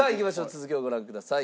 続きをご覧ください。